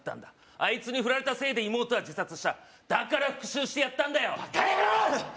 あいつに振られたせいで妹は自殺しただから復讐してやったんだよバカヤロー！